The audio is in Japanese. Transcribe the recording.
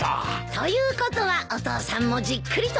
ということはお父さんもじっくりと見てたんだね。